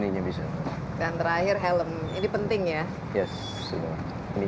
ini bisa dan terakhir helm ini penting ya yes ini